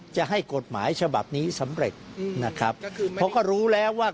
จะให้กฎหมายฉบับนี้สำเร็จนะครับเพราะก็รู้แล้วว่า